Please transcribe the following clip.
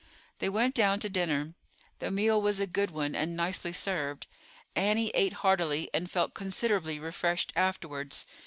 They went down to dinner. The meal was a good one, and nicely served. Annie ate heartily, and felt considerably refreshed afterwards.